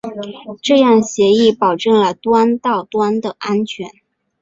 这样协议保证了端到端的安全。